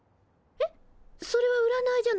えっ！？